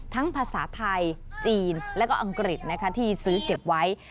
ภาษาไทยจีนแล้วก็อังกฤษที่ซื้อเก็บไว้